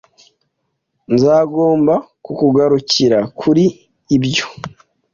Nzagomba kukugarukira kuri ibyo.